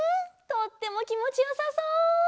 とってもきもちよさそう！